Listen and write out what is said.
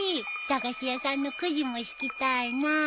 駄菓子屋さんのくじも引きたいなあ。